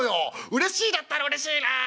うれしいだったらうれしいなあ』。